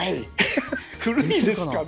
古いですかね。